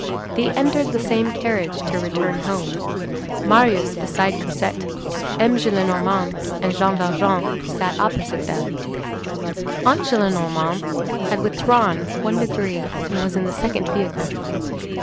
They entered the same carriage to return home, Marius beside Cosette; M. Gillenormand and Jean Valjean sat opposite them; Aunt Gillenormand had withdrawn one degree, and was in the second vehicle.